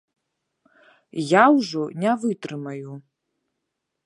Я ўжо не вытрымаю!